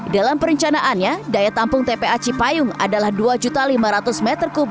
dalam perencanaannya daya tampung tpa cipayung adalah dua lima ratus m tiga